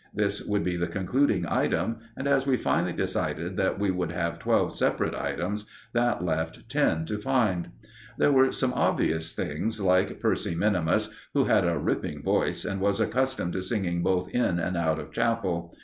This would be the concluding item, and as we finally decided that we would have twelve separate items, that left ten to find. There were some obvious things, like Percy minimus, who had a ripping voice, and was accustomed to singing both in and out of chapel.